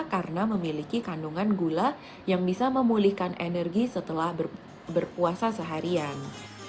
karena memiliki kandungan gula yang bisa memulihkan energi setelah berpuasa seharian